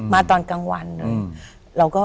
มาตอนกลางวันเลย